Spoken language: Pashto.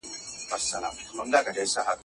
کلونه کیږي په خوبونو کي راتللې اشنا.